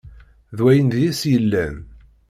D wayen deg-s yellan.